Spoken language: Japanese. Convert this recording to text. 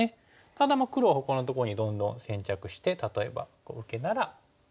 ただ黒はほかのところにどんどん先着して例えばこう受けなら。